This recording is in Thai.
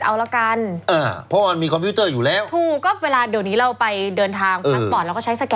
เอาแล้วกันอ่าเพราะมันมีคอมพิวเตอร์อยู่แล้วถูกก็เวลาเดี๋ยวนี้เราไป